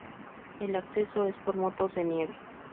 El acceso es por motos de nieve.